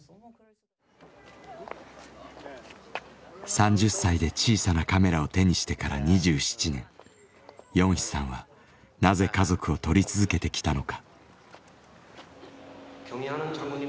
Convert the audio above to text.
３０歳で小さなカメラを手にしてから２７年ヨンヒさんはなぜ家族を撮り続けてきたのか。